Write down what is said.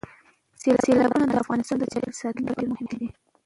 سیلابونه د افغانستان د چاپیریال ساتنې لپاره ډېر مهم دي.